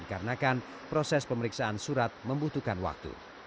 karena proses pemeriksaan surat membutuhkan waktu